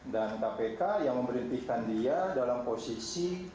dan kpk yang memerhentikan dia dalam posisi